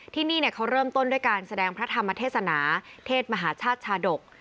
ที่นี่เขาเริ่มต้นด้วยการแสดงพระธรรมเทศนาเทศมหาชาติชาดก